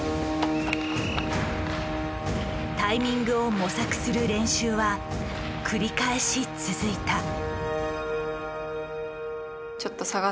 タイミングを模索する練習は繰り返し続いた。